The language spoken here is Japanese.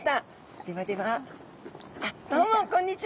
ではではどうもこんにちは。